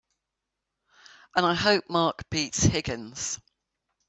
And I hope Mark beats Higgins!